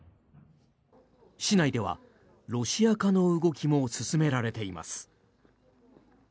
市内ではロシア化の動きも進められています。